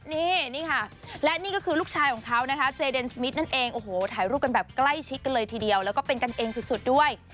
นี่นี่ค่ะและนี่ก็คือลูกชายของเขานะคะเจเดนสมิทนั่นเองโอ้โหถ่ายรูปกันแบบใกล้ชิดกันเลยทีเดียวแล้วก็เป็นกันเองสุดด้วย